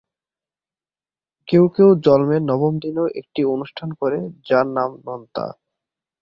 কেউ কেউ জন্মের নবম দিনেও একটি অনুষ্ঠান করে, যার নাম নন্তা।